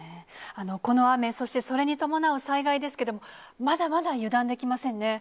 この雨、そしてそれに伴う災害ですけれども、まだまだ油断できませんね。